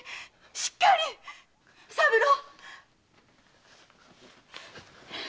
しっかり‼卯三郎！